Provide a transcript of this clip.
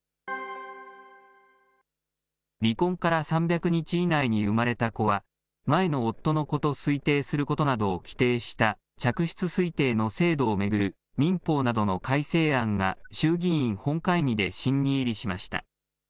離婚から３００日以内に産まれた子は、前の夫の子と推定することなどを規定した、嫡出推定の制度を巡る民法などの改正案が、衆議院本会議で審議入りしました。